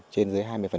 trên dưới hai mươi